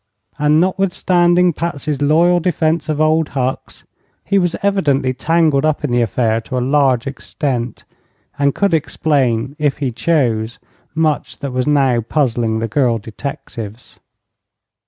And, notwithstanding Patsy's loyal defense of Old Hucks, he was evidently tangled up in the affair to a large extent, and could explain if he chose much that was now puzzling the girl detectives.